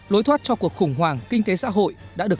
lối thoát cho cuộc khủng hoảng kinh tế xã hội